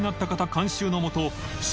監修のもと写